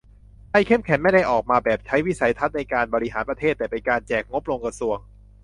ไทยเข้มแข็งไม่ได้ออกมาแบบใช้วิสัยทัศน์ในการบริหารประเทศ แต่เป็นการแจกงบลงกระทรวง